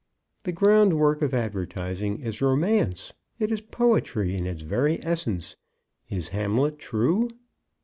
The groundwork of advertising is romance. It is poetry in its very essence. Is Hamlet true?"